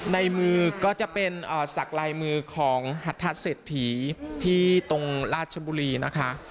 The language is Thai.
ในมือก็จะเป็นสักลายมือของหัทธาเศรษฐีที่ตรงราชบุรีนะคะ